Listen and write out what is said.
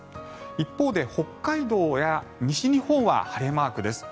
一方で北海道や西日本は晴れマークです。